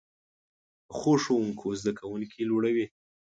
پخو ښوونکو زده کوونکي لوړوي